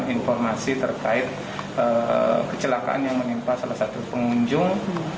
informasi terkait kecelakaan yang menimpa salah satu pengunjung